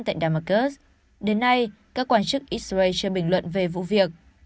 tên damascus đến nay các quan chức israel chưa bình luận về vụ việc